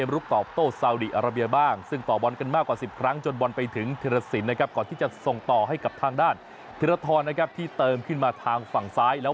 ระเบียบป้อมค้าก็ไม่อยู่แล้ว